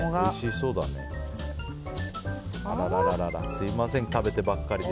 すみません、食べてばっかりで。